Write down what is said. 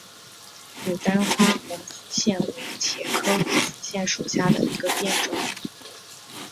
紫单花红丝线为茄科红丝线属下的一个变种。